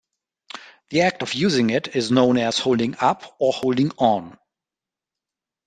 The act of using it is known as holding up or holding on.